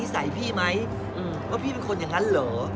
จ่ายพี่ไหมว่าพี่ควรอย่างนั้นเหรอ